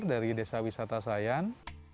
dari desa wisata sayan